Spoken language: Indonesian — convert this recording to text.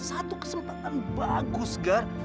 satu kesempatan bagus gar